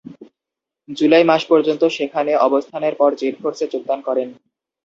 জুলাই মাস পর্যন্ত সেখানে অবস্থানের পর জেড ফোর্সে যোগদান করেন।